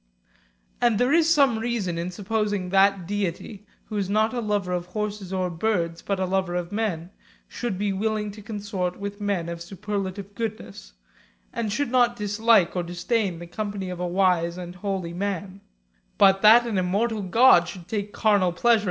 And there issome reason in supposing that Deity, who is not a lover of horses or birds, but a lover of men, should be willing to consort with men of superlative goodness, and should uot dislike or disdain the company of a wise and holy 317 PLUTARCH'S LIVES \, ς ' e \, καὶ σώφρονος ὁμιλίαν.